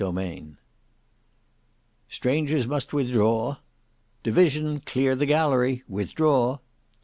Book 4 Chapter 3 "Strangers must withdraw." "Division: clear the gallery. Withdraw."